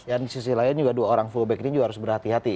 yang di sisi lain juga dua orang fullback ini juga harus berhati hati